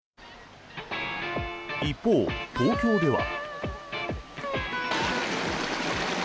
一方、東京では。